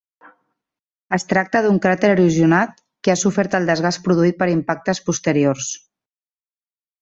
Es tracta d'un cràter erosionat que ha sofert el desgast produït per impactes posteriors.